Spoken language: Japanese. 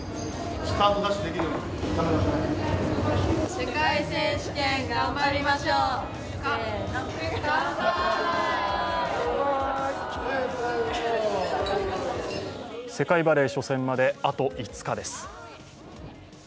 世界バレー初戦まであと５日です。